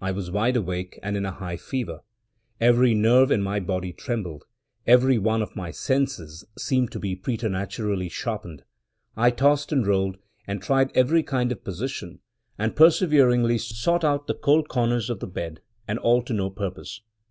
I was wide awake, and in a high fever. Every nerve in my body trembled — every one of my senses seemed to be preternaturally sharpened. I tossed and rolled, and tried every kind of position, and perseveringly sought out the cold corners of the bed, and all to no purpose.